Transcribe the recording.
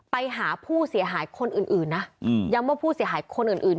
ไปหาผู้เสียหายคนอื่นนะยำว่าผู้เสียหายคนอื่น